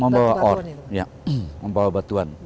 membawa ore iya membawa batuan